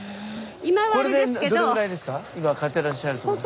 これでどれぐらいですか？